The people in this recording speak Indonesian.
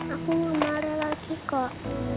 aku mau marah lagi kok